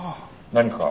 何か？